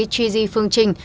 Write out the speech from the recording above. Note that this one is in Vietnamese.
chi di phương trinh